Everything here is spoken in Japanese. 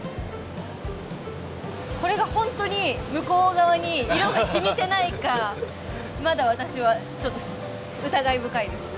これがホントに向こう側に色が染みてないかまだ私はちょっと疑い深いです。